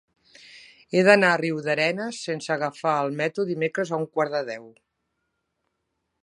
He d'anar a Riudarenes sense agafar el metro dimecres a un quart de deu.